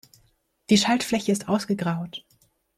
Die Schaltfläche ist ausgegraut.